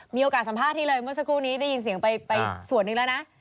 มีโอกาสสัมภาษณ์ที่เลยเมื่อสักครู่นี้ได้ยินเสียงไปส่วนหนึ่งแล้วนะ